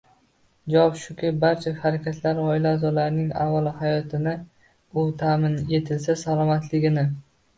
Javob shuki, barcha harakatlar oila a’zolarining avvalo hayotini, u ta’min etilsa salomatligini